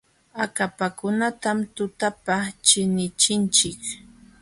Akapakunatam tutapa chinichinchik.